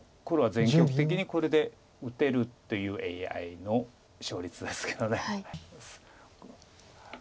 黒は全局的にこれで打てるというＡＩの勝率ですけど。